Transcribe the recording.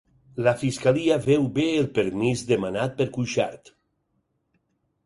La fiscalia veu bé el permís demanat per Cuixart